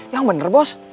yang bener bos